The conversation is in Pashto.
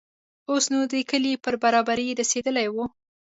اوس نو د کلي پر برابري رسېدلي وو.